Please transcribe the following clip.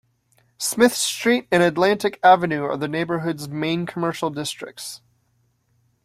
Smith Street and Atlantic Avenue are the neighborhood's main commercial districts.